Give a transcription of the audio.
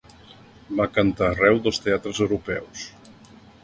Va cantar arreu dels teatres europeus.